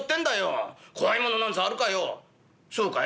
「そうかい？」。